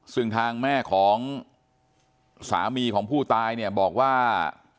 ซึ่งทางแม่ของสามีของผู้ตายเนี่ยบอกว่า